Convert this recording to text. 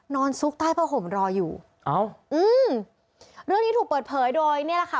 ซุกใต้ผ้าห่มรออยู่เอ้าอืมเรื่องนี้ถูกเปิดเผยโดยนี่แหละค่ะ